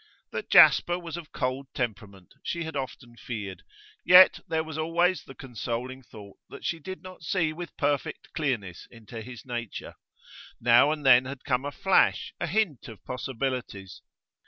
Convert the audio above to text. That Jasper was of cold temperament she had often feared; yet there was always the consoling thought that she did not see with perfect clearness into his nature. Now and then had come a flash, a hint of possibilities.